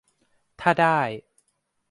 - ถ้าได้